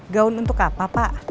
gaun untuk apa pak